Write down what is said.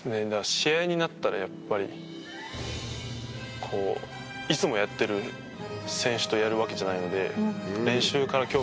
試合になったらやっぱりこういつもやってる選手とやるわけじゃないので。